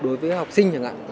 đối với học sinh chẳng hạn